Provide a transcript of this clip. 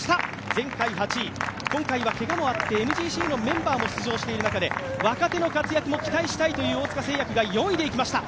前回８位、今回はけがもあってＭＧＣのメンバーも出場している中で若手の活躍も期待したいという大塚製薬が４位でいきました。